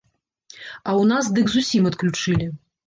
А ў нас дык зусім адключылі.